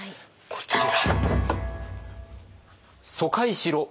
こちら。